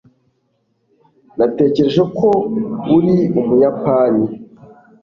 natekereje ko uri umuyapani